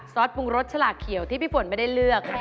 ปรุงรสฉลากเขียวที่พี่ฝนไม่ได้เลือก